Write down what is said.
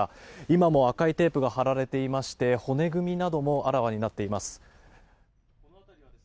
今も赤いテープが張られていまして骨組みなどもあらわになっています。